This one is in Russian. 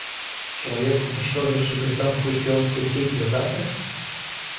Человек, уничтоживший британскую шпионскую сеть до завтрака?